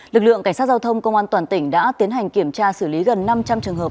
lực lượng cảnh sát giao thông công an toàn tỉnh đã tiến hành kiểm tra xử lý gần năm trăm linh trường hợp